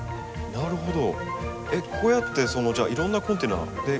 なるほど！